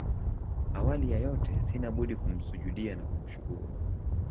Awali ya yote sina budi kumsujudiya na kumshukuru